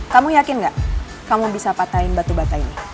kamu yakin gak kamu bisa patahin batu bata ini